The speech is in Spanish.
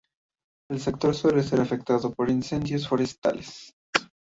El sector suele ser afectado por incendios forestales.